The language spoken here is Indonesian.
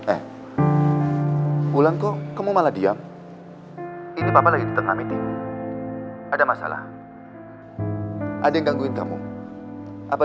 eh bulan kok kamu malah diam ini papa lagi tengah meeting ada masalah ada yang gangguin kamu apa